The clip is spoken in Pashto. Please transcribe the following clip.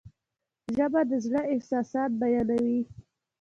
ژبه د زړه احساسات بیانوي.